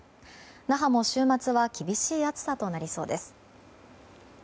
那覇も週末は厳しい暑さとなりそうです。